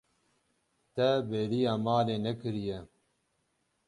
Te bêriya malê nekiriye.